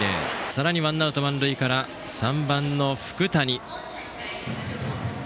さらにワンアウト満塁から３番の福谷。